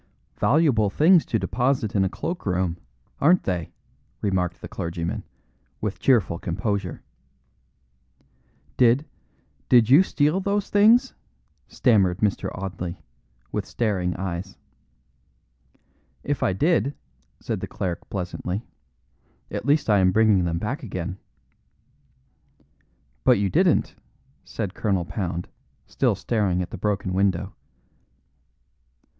"Valuable things to deposit in a cloak room, aren't they?" remarked the clergyman, with cheerful composure. "Did did you steal those things?" stammered Mr. Audley, with staring eyes. "If I did," said the cleric pleasantly, "at least I am bringing them back again." "But you didn't," said Colonel Pound, still staring at the broken window.